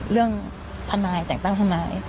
เรื่องทนายแต่งตั้งทนาย